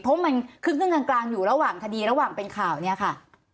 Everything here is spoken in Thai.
เพราะมันคึกขึ้นกลางอยู่ระหว่างคดีระหว่างเป็นข่าวเนี่ยค่ะ